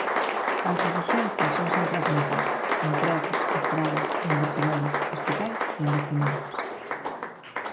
As esixencias son sempre as mesmas: empregos, estradas, universidades, hospitais e investimentos.